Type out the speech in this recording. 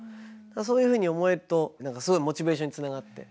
そういうふうに思えると何かすごいモチベーションにつながって。